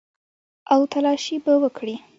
او تلاشي به وکړي.